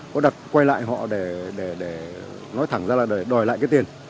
có đặt quay lại họ để nói thẳng ra là để đòi lại cái tiền